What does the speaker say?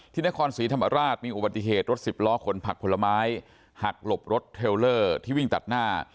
นครศรีธรรมราชมีอุบัติเหตุรถสิบล้อขนผักผลไม้หักหลบรถเทลเลอร์ที่วิ่งตัดหน้า